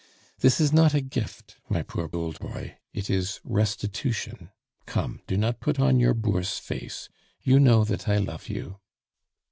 This is not a gift, my poor old boy, it is restitution. Come, do not put on your Bourse face. You know that I love you."